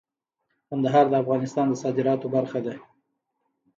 کندهار د افغانستان د صادراتو برخه ده.